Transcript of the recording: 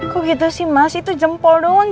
kok gitu sih mas itu jempol doang